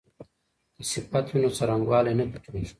که صفت وي نو څرنګوالی نه پټیږي.